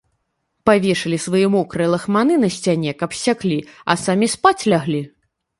Павешалі свае мокрыя лахманы на сцяне, каб сцяклі, а самі спаць ляглі.